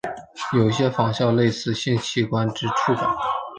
有些仿效类似性器官之触感。